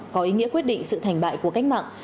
có ý nghĩa quyết định sự thành bại của cách mạng